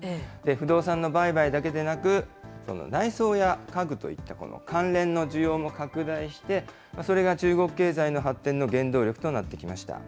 不動産の売買だけでなく、その内装や家具といったこの関連の需要も拡大して、それが中国経済の発展の原動力となってきました。